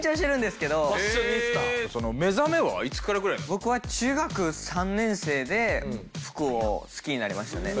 僕は中学３年生で服を好きになりましたね。